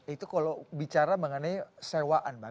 itu kalau bicara mengenai sewaan bang